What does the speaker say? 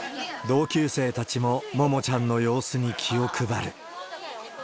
同級生たちも、ももちゃんの様子に気を配る。